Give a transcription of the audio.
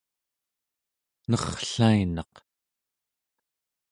enerrlainaq